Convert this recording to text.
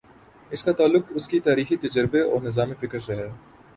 اس کا تعلق اس کے تاریخی تجربے اور نظام فکر سے ہے۔